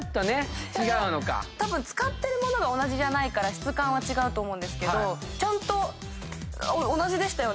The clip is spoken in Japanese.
使ってる物が同じじゃないから質感は違うと思うんですけどちゃんと。